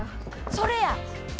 それや！